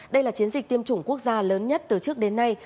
đây là chiến dịch tiêm chủng quốc gia lớn nhất từ trước đến nay